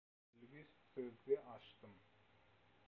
«Düşündirişli sözlügi» açdym.